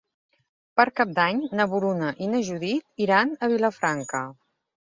Per Cap d'Any na Bruna i na Judit iran a Vilafranca.